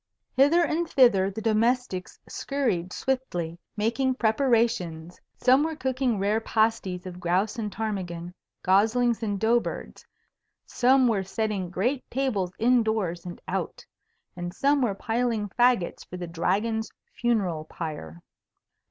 Hither and thither the domestics scurried swiftly, making preparations. Some were cooking rare pasties of grouse and ptarmigan, goslings and dough birds; some were setting great tables in doors and out; and some were piling fagots for the Dragon's funeral pyre.